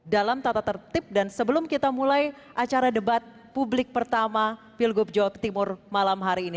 dalam tata tertib dan sebelum kita mulai acara debat publik pertama pilgub jawa timur malam hari ini